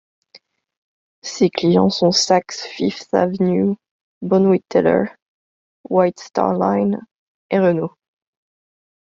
Ses clients sont Saks Fifth Avenue, Bonwit Teller, White Star Line et Renault.